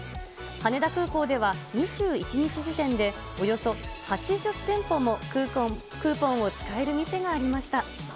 羽田空港では、２１日時点でおよそ８０店舗もクーポンを使える店がありました。